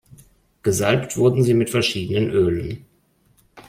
Gesalbt wurden sie mit verschiedenen Ölen.